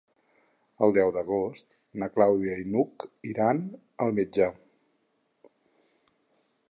El deu d'agost na Clàudia i n'Hug iran al metge.